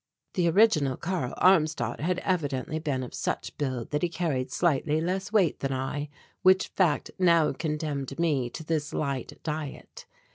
The original Karl Armstadt had evidently been of such build that he carried slightly less weight than I, which fact now condemned me to this light diet.